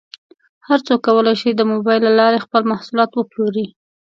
هر څوک کولی شي د مبایل له لارې خپل محصولات وپلوري.